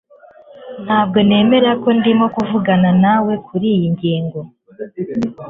Ntabwo nemera ko ndimo kuvugana nawe kuriyi ngingo